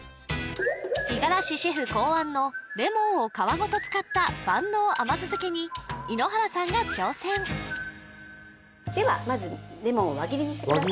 五十嵐シェフ考案のレモンを皮ごと使った万能甘酢漬けに井ノ原さんが挑戦ではまずレモンを輪切りにしてください